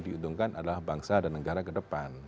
diuntungkan adalah bangsa dan negara ke depan